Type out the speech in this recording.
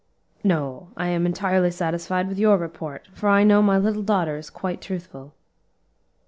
"No, I am entirely satisfied with your report, for I know my little daughter is quite truthful."